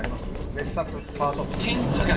「別冊パート２」で。